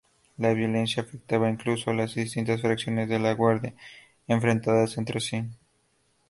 La violencia afectaba incluso a las distintas fracciones de la Guardia, enfrentadas entre sí.